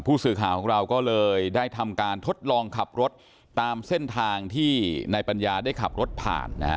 ผู้สื่อข่าวของเราก็เลยได้ทำการทดลองขับรถตามเส้นทางที่นายปัญญาได้ขับรถผ่านนะฮะ